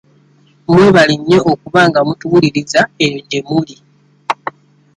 Mwebale nnyo okuba nga mutuwuliriza eyo gye muli.